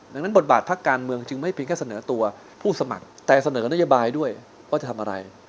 ดังนั้นบทบาทพักการเมืองจึงไม่เพียงแค่เสนอตัวผู้สมัครแต่เสนอนโยบายด้วยว่าจะทำอะไร